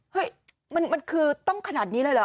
เฮ้ยมันคือต้องขนาดนี้เลยเหรอ